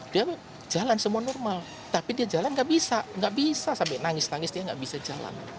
dia jalan semua normal tapi dia jalan nggak bisa nggak bisa sampai nangis nangis dia nggak bisa jalan